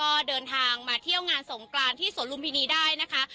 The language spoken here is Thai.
ก็ต้องเดินทางกลับมาเที่ยวงานสงกรานกับที่นี่นะคะ